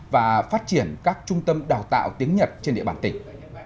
và phát triển các trung tâm đào tạo tiếng nhật trên địa bàn tỉnh